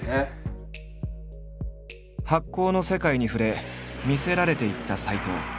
発酵の世界に触れ魅せられていった斎藤。